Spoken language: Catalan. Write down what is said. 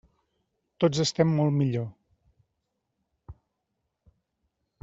Tots estem molt millor.